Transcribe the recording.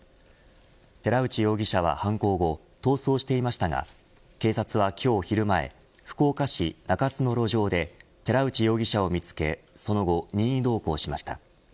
寺内容疑者は犯行後逃走していましたが警察は今日、昼前福岡市中洲の路上で寺内容疑者を見つけその後、任意同行しました。